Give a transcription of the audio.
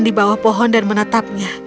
di bawah pohon dan menetapnya